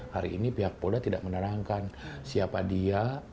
hari ini pihak polda tidak menerangkan siapa dia